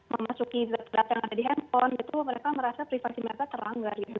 memasuki data yang ada di handphone itu mereka merasa privasi mereka terlanggar gitu